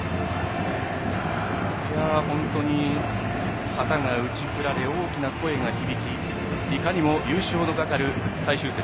本当に旗が打ち振られ大きな声が響きいかにも優勝のかかる最終節。